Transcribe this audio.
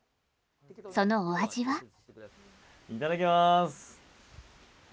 そのお味は？